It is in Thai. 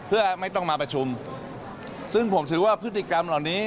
ลองฟังฮะ